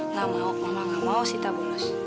nggak mau mama nggak mau sita bolos